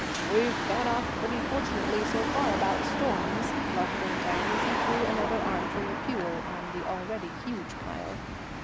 "We've got off pretty fortunately so far about storms," Bluff went on, as he threw another armful of fuel on the already huge pile.